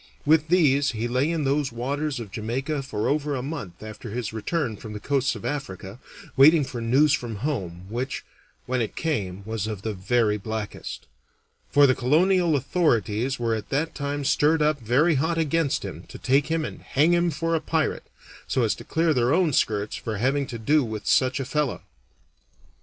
With these he lay in those waters of Jamaica for over a month after his return from the coasts of Africa, waiting for news from home, which, when it came, was of the very blackest; for the colonial authorities were at that time stirred up very hot against him to take him and hang him for a pirate, so as to clear their own skirts for having to do with such a fellow.